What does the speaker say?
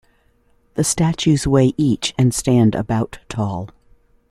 The statues weigh each and stand about tall.